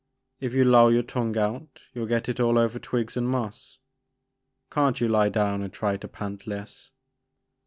If you loll your tongue out you'll get it all over twigs and moss. Can't you lie down and try to pant less?